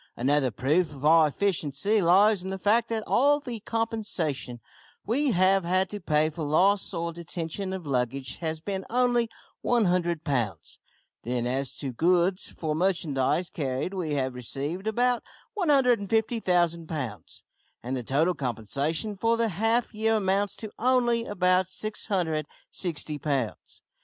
Another proof of our efficiency lies in the fact that all the compensation we have had to pay for loss or detention of luggage has been only 100 pounds. Then as to goods. For merchandise carried we have received about 150,000 pounds, and the total compensation for the half year amounts to only about 660 pounds.